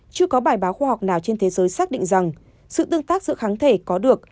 chưa có bài báo khoa học nào trên thế giới xác định rằng sự tương tác giữa kháng thể có được